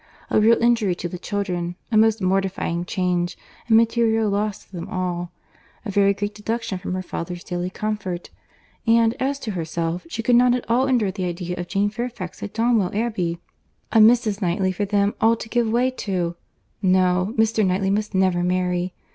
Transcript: A real injury to the children—a most mortifying change, and material loss to them all;—a very great deduction from her father's daily comfort—and, as to herself, she could not at all endure the idea of Jane Fairfax at Donwell Abbey. A Mrs. Knightley for them all to give way to!—No—Mr. Knightley must never marry.